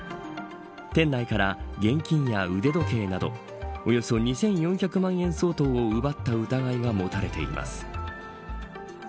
店内から現金や腕時計などおよそ２４００万円相当を奪った疑いが持たれています。